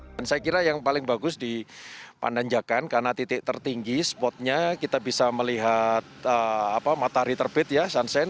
saya kira yang paling bagus di pananjakan karena titik tertinggi spotnya kita bisa melihat matahari terbit ya sunssen